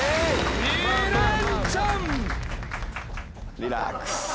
リラックス。